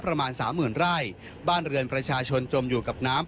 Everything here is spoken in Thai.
ประมาณสามหมื่นไร่บ้านเรือนประชาชนจมอยู่กับน้ำ